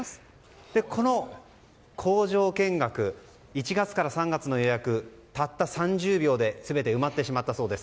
この工場見学１月から３月の予約たった３０秒で全て埋まってしまったそうです。